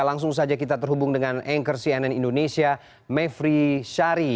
langsung saja kita terhubung dengan anchor cnn indonesia mevri syari